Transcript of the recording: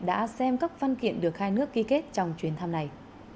đã xem các văn kiện được hai nước ký kết trong chuyến thăm này